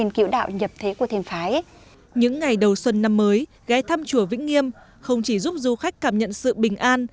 những ngày đầu xuân năm mới ghé thăm chùa vĩnh nghiêm không chỉ giúp du khách cảm nhận sự bình an